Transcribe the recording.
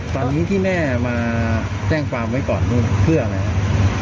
ตอนนี้ที่แม่มาแจ้งความไว้ก่อนนู่นเพื่ออะไรครับ